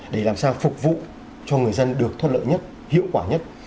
để làm sao phục vụ cho người dân được thoát lợi nhất hiệu quả nhất